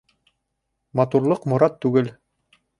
Матурлыҡ морат түгел